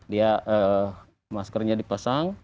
dia maskernya dipasang